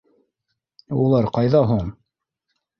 Улар ҡайҙа һуң?